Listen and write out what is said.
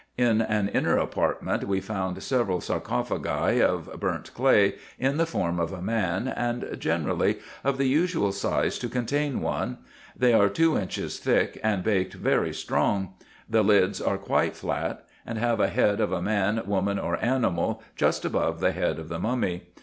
In an inner apartment we found several sarcophagi of burnt clay, in the form of a man, and generally of the usual size to contain one : they are two inches thick, and baked very strong ; the lids are quite flat, and have a head of a man, woman, or animal, just above the head of the mummy.